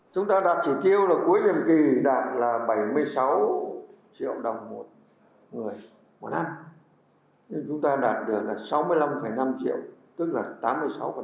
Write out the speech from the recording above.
kỳ đạt là bảy mươi sáu triệu đồng một người một năm nên chúng ta đạt được là sáu mươi năm năm triệu tức là tám mươi sáu